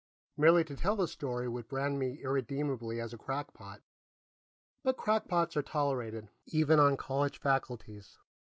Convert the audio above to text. Merely to tell the story would brand me irredeemably as a crackpot, but crackpots are tolerated, even on college faculties.